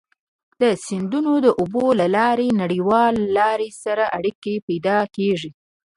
د سیندونو د اوبو له لارې نړیوالو لارو سره اړيکي پيدا کیږي.